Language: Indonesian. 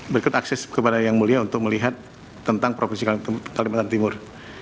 berikut akses kepada yang mulia untuk melihat tentang provinsi kalimantan timur